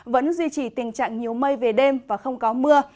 vẫn duy trì tình trạng nhiều mây về đêm và không có mưa